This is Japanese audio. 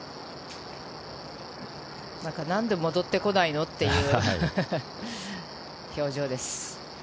なんで戻ってこないの？という表情です。